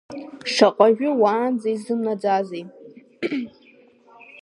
Шаҟаҩы уаанӡа изымнаӡазеи!